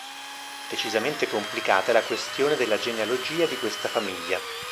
Decisamente complicata è la questione della genealogia di questa famiglia.